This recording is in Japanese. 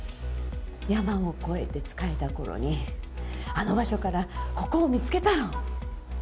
山を越えて疲れた頃にあの場所からここを見つけたの。